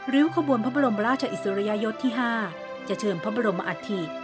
้วขบวนพระบรมราชอิสริยยศที่๕จะเชิญพระบรมอัฐิ